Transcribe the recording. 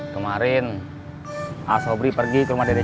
kemarin asal brie pergi ke rumah dede cantik